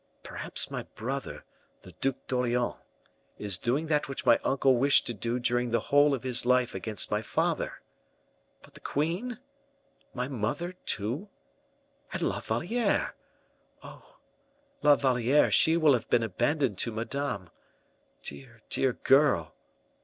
"Perhaps my brother, the Duc d'Orleans, is doing that which my uncle wished to do during the whole of his life against my father. But the queen? My mother, too? And La Valliere? Oh! La Valliere, she will have been abandoned to Madame. Dear, dear girl!